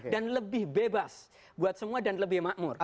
dan lebih bebas buat semua dan lebih makmur